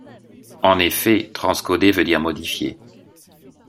En effet, transcoder veut dire modifier.